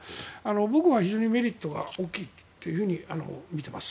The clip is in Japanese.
僕は非常にメリットが大きいとみています。